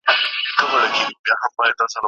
په منځ کي یوه پوښتنه د «پټه خزانه» په اړه شامله